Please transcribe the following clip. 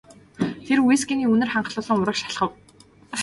Тэр вискиний үнэр ханхлуулан урагш алхав.